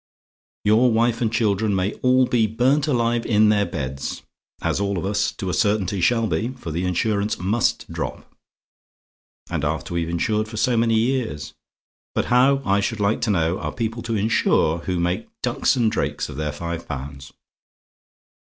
Your wife and children may all be burnt alive in their beds as all of us to a certainty shall be, for the insurance MUST drop. And after we've insured for so many years! But how, I should like to know, are people to insure who make ducks and drakes of their five pounds?